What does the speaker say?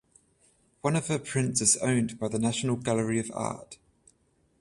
One of her prints is owned by the National Gallery of Art.